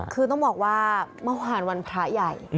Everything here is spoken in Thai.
คือต้องบอกว่าเมื่อวานวันพระใหญ่